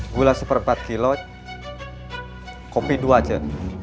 gula seperempat kilo kopi dua aja